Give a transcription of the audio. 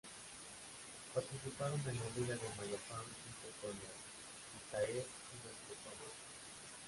Participaron en la Liga de Mayapán junto con los itzáes y los cocomes.